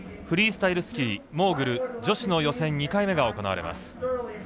フリースタイルスキーモーグル女子の予選、２回目が行われます。